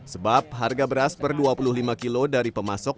sebab harga beras per dua puluh lima kilo dari pemasok